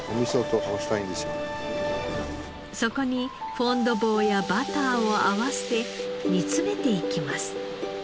そこにフォンドボーやバターを合わせ煮詰めていきます。